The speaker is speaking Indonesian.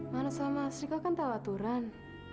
manusia mas riko kan tahu aturan